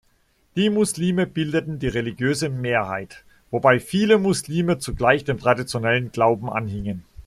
Die Muslime bildeten die religiöse Mehrheit, wobei viele Muslime zugleich dem traditionellen Glauben anhingen.